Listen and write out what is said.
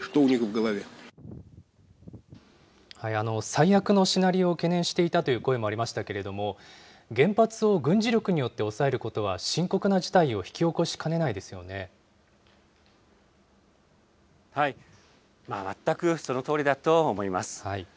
最悪のシナリオを懸念していたという声もありましたけれども、原発を軍事力によって押さえることは深刻な事態を引き起こしかね全くそのとおりだと思います。